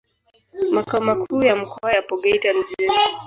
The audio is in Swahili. Makao makuu ya mkoa yapo Geita mjini.